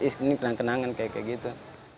ini kenangan kenangan kayak gitu